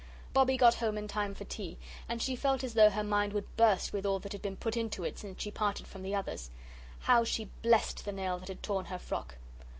Bobbie got home in time for tea, and she felt as though her mind would burst with all that had been put into it since she parted from the others. How she blessed the nail that had torn her frock!